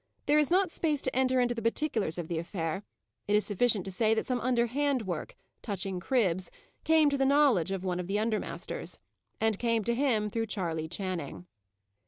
There is not space to enter into the particulars of the affair; it is sufficient to say that some underhand work, touching cribs, came to the knowledge of one of the under masters and came to him through Charley Channing.